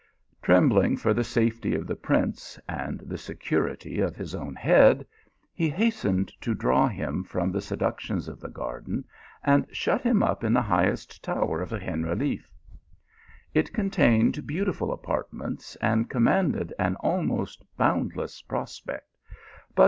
Trembling for the safety of the prince, and the security of his own head, he hastened to draw him from the seductions of the garden, and shut him up in the highest tower of the Generalise. It contained beautiful apartments, and commanded an almost boundless prospect, but v.